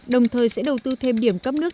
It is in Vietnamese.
đồng thời sẽ đầu tư thêm điểm cấp nước